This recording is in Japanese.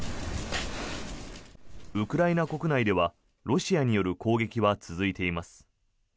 ウクライナ国内ではロシアによる攻撃は続いています。